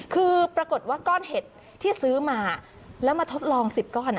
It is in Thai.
คือปรากฏว่าก้อนเห็ดที่ซื้อมาแล้วมาทดลอง๑๐ก้อน